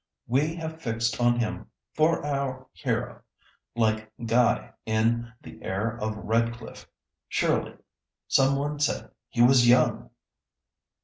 We have fixed on him for our hero, like Guy in the Heir of Redclyffe. Surely some one said he was young!"